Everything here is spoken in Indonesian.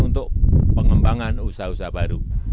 untuk pengembangan usaha usaha baru